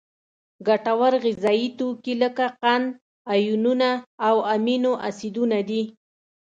ګټور غذایي توکي لکه قند، آیونونه او امینو اسیدونه دي.